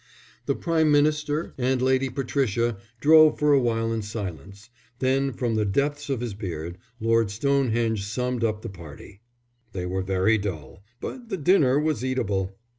The Prime Minister and Lady Patricia drove for a while in silence; then from the depths of his beard, Lord Stonehenge summed up the party. "They were very dull, but the dinner was eatable."